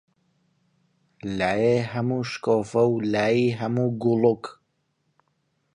لایێ هەموو شکۆفە و، لایی هەموو گوڵووک